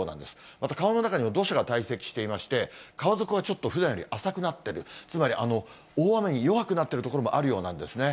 また川の中にも土砂がたい積していまして、川底はちょっとふだんより浅くなってる、つまり大雨に弱くなってる所もあるようなんですね。